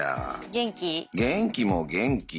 元気も元気。